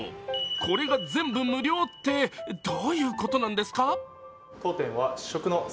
これが全部無料ってどういうことなんですか？